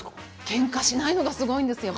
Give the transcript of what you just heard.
けんかしないのがすごいんです。